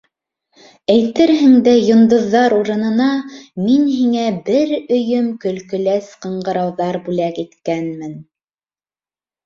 Әйтерһең дә йондоҙҙар урынына мин һиңә бер өйөм көлкөләс ҡыңғырауҙар бүләк иткәнмен...